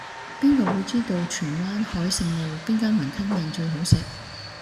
邊個會知道荃灣海盛路邊間雲吞麵最好食